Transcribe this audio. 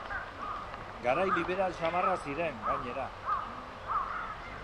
Garai liberal samarrak ziren, gainera.